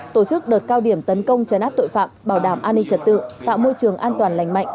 tổ chức đợt cao điểm tấn công chấn áp tội phạm bảo đảm an ninh trật tự tạo môi trường an toàn lành mạnh